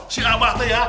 si abah tuh ya